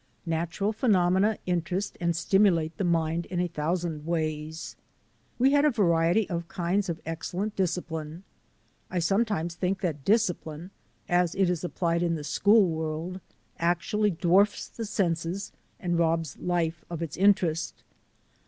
Natural phenomena interest and stimulate the mind in a thousand ways. We had a variety of kinds of excellent discipline. I sometimes think that discipline as it is applied in the school world actually dwarfs the senses and robs life of its interest.